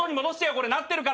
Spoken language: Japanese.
これなってるから。